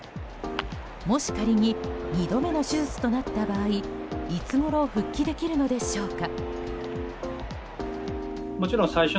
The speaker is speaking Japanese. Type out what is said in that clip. もし仮に２度目の手術となった場合いつごろ復帰できるのでしょうか。